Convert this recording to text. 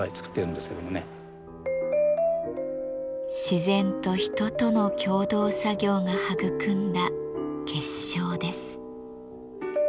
自然と人との共同作業が育んだ結晶です。